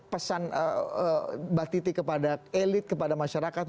pesan mbak titi kepada elit kepada masyarakat